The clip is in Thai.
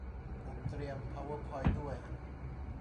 ผมเตรียม พาวเวอร์พอยท์ ด้วย